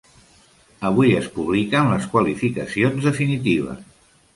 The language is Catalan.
Avui es publiquen les qualificacions definitives.